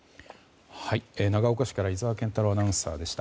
長岡市から井澤健太朗アナウンサーでした。